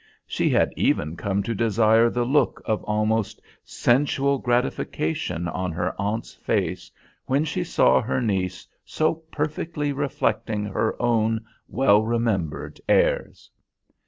She had even come to desire the look of almost sensual gratification on her aunt's face when she saw her niece so perfectly reflecting her own well remembered airs.